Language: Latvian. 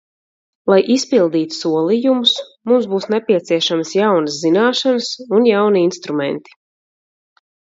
Lai izpildītu solījumus, mums būs nepieciešamas jaunas zināšanas un jauni instrumenti.